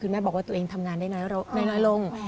แม่บอกว่าตัวเองทำงานได้น้อยลง